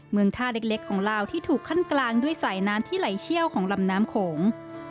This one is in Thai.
เมืองท่าเล็กของลาวที่ถูกขั้นกลางด้วยสายน้ำที่ไหลเชี่ยวของลำน้ำโขง